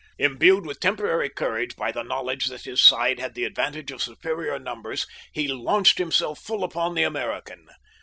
Imbued with temporary courage by the knowledge that his side had the advantage of superior numbers he launched himself full upon the American.